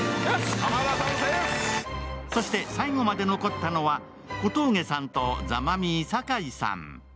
そして、最後まで残ったのは、小峠さんとザ・マミィ、酒井さん。